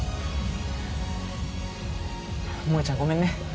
萌ちゃんごめんね。